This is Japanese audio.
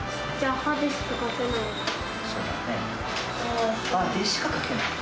歯でしか書けない。